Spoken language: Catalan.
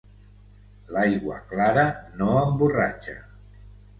L'aigua clara no emborratxa.